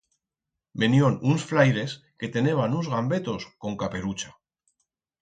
Venión uns flaires que teneban uns gambetos con caperucha.